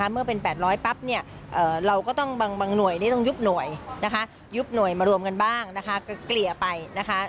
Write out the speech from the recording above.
เมื่อเป็น๘๐๐ปั๊บเนี่ยเราก็ต้องบางหน่วยนี่ต้องยุบหน่วยนะคะยุบหน่วยมารวมกันบ้างนะคะเกลี่ยไปนะคะ